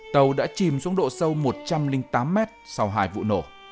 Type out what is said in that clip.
tàu đã chìm xuống độ sâu một trăm linh tám mét sau hai vụ nổ